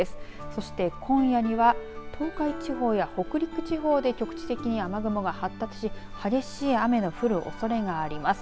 そして、今夜には東海地方や北陸地方で局地的に雨雲が発達し激しい雨の降るおそれがあります。